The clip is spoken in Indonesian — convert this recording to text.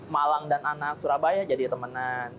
malang dan anak surabaya jadi temanan